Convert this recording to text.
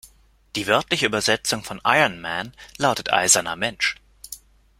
Die wörtliche Übersetzung von Ironman lautet „eiserner Mensch“.